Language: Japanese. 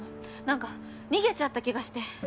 なんか逃げちゃった気がして。